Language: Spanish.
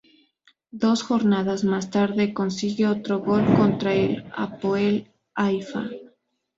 Dos jornadas más tarde consigue otro gol contra el Hapoel Haifa.